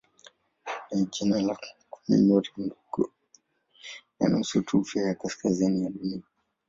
ni jina la kundinyota ndogo ya nusutufe ya kaskazini ya Dunia.